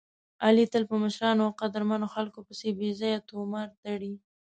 علي تل په مشرانو او قدرمنو خلکو پسې بې ځایه طومار تړي.